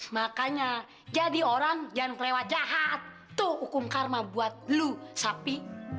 makanya jadi orang jangan lewat jahat itu hukum karma buat kamu sapi